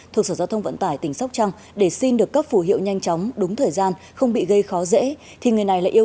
thuộc sở giao thông vận tải tỉnh sóc trăng để xin được cấp phủ hiệu nhanh chóng